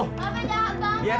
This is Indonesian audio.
bang be jangan